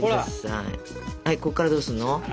はいこっからどうすんの？